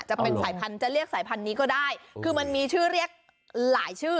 จะเป็นสายพันธุ์จะเรียกสายพันธุ์นี้ก็ได้คือมันมีชื่อเรียกหลายชื่อ